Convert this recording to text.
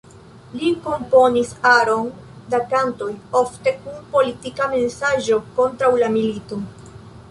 Li komponis aron da kantoj, ofte kun politika mesaĝo kontraŭ la milito.